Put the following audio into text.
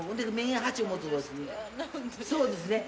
そうですね。